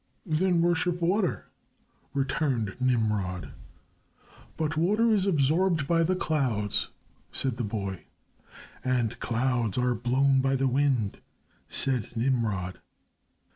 "Then worship water," returned Nimrod. "But water is absorbed by the clouds," said the boy. "And clouds are blown by the wind," said Nimrod.